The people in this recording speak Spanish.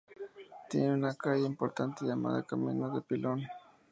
Tiene una calle importante llamada Camino de Pilón.